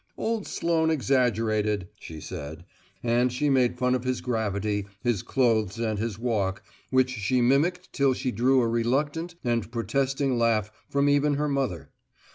Old Sloane exaggerated, she said; and she made fun of his gravity, his clothes and his walk, which she mimicked till she drew a reluctant and protesting laugh from even her mother.